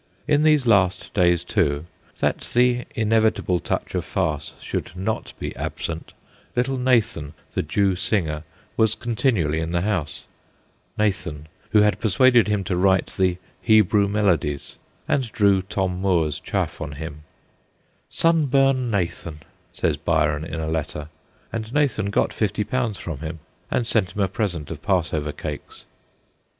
In these last days, too, that the inevitable touch of farce should not be absent, little Nathan the Jew singer was continually in the house Nathan, who had persuaded him to write the ' Heb rew Melodies/ and drew Tom Moore's chaff on him ;' Sun burn Nathan/ says Byron in a letter and Nathan got 50 from him and sent him a present of Passover cakes.